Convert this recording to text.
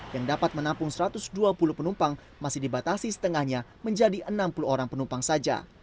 yang dapat menampung satu ratus dua puluh penumpang masih dibatasi setengahnya menjadi enam puluh orang penumpang saja